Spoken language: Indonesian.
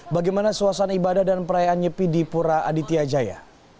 bagaimana suasana ibadah dan perayaan nyepi di pura aditya jaya